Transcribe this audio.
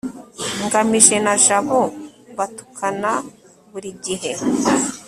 ngamije na jabo batukana buri gihe